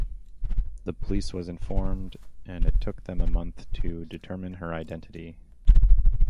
The police was informed and it took them a month to determine her identity.